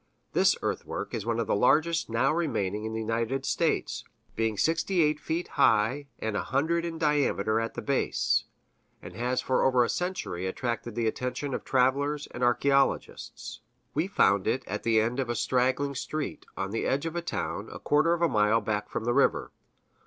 This earthwork is one of the largest now remaining in the United States, being sixty eight feet high and a hundred in diameter at the base, and has for over a century attracted the attention of travelers and archæologists. We found it at the end of a straggling street, on the edge of the town, a quarter of a mile back from the river.